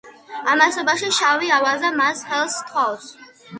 ამასობაში, შავი ავაზა მას ხელს სთხოვს.